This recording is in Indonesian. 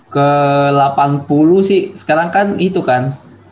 ke delapan puluh sih sekarang kan itu kan